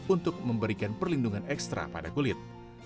untuk memberikan perlindungan ekstra pada kulit